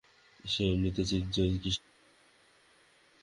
সে এমনিতেই চিকিৎসা জটিলতায় অসুস্থ।